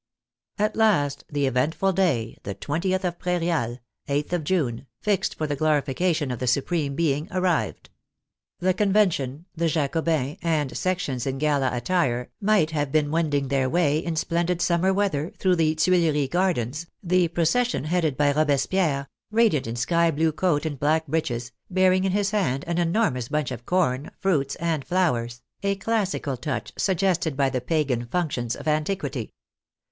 At last the eventful day, the 20th of Prairial (8th of June), fixed for the glorification of the Supreme Being, arrived. The Convention, the Jacobins, and Sections in gala attire, might have been seen wending their way, in splendid summer weather, through the Tiiileries' Gardens, the procession headed by Robespierre, radiant in sky blue coat and black breeches, bearing in his hand an enormous bunch of corn, fruits, and flowers, a classical touch sug gested by the pagan functions of antiquity.